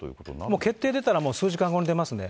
もう決定出たら、数時間後に出ますね。